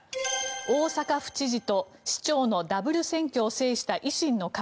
大阪府知事と市長のダブル選挙を制した維新の会。